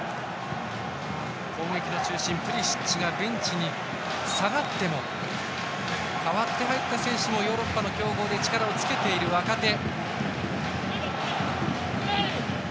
攻撃の中心プリシッチがベンチに下がっても代わって入った選手もヨーロッパの強豪で力をつけている若手。